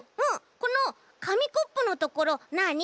このかみコップのところなあに？